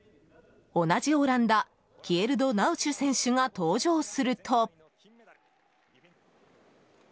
同じオランダキエルド・ナウシュ選手が登場すると。